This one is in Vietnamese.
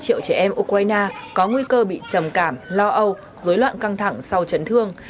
một năm triệu trẻ em ukraine có nguy cơ bị trầm cảm lo âu rối loạn căng thẳng sau chấn thương